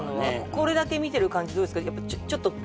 これだけ見てる感じどうですか？